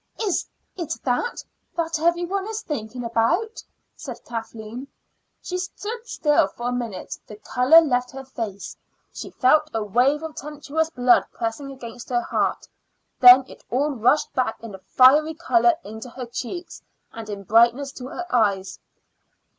"Is it that that every one is thinking about?" said Kathleen. She stood still for a minute. The color left her face. She felt a wave of tempestuous blood pressing against her heart; then it all rushed back in a fiery color into her cheeks and in brightness to her eyes.